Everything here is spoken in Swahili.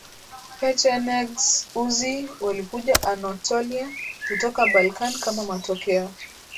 Pechenegs Uzy walikuja Anatolia kutoka Balkan Kama matokeo